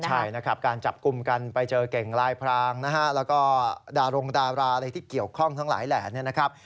ใช่นะครับการจับกลุ่มกันไปเจอเก่งลายพรางนะฮะแล้วก็ดารงดาราอะไรที่เกี่ยวข้องทั้งหลายแหล่เนี่ยนะครับ